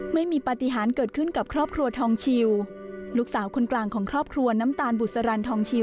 ไม่มีปฏิหารเกิดขึ้นกับครอบครัวทองชิวลูกสาวคนกลางของครอบครัวน้ำตาลบุษรันทองชิว